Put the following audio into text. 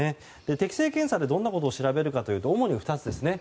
適性検査でどんなことを調べるかというと主に２つです。